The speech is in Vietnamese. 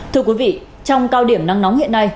thưa quý vị trong cao điểm nắng nóng hiện nay